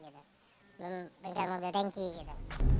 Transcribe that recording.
bengkel mobil tanki gitu